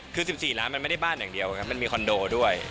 คือ๑๔ล้านมันไม่ได้บ้านอย่างเดียวครับมันมีคอนโดด้วย